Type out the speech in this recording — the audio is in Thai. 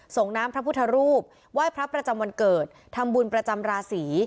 ส่งน้ำพระพุทธรูปไหว้พระประจำวันเกิดทำบุญประจำราศี